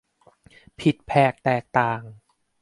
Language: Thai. ผิดแผกแตกต่าง